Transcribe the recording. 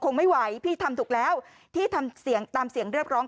ไม่ไหวพี่ทำถูกแล้วพี่ทำเสียงตามเสียงเรียกร้อง